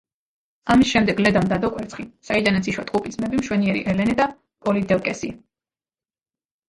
ამის შემდეგ ლედამ დადო კვერცხი, საიდანაც იშვა ტყუპი ძმები, მშვენიერი ელენე და პოლიდევკესი.